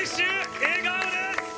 笑顔です。